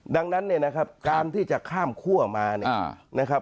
ดังนั้นการที่จะข้ามขั้วมา